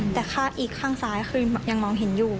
แต่ข้างอีกข้างซ้ายคือยังมองเห็นอยู่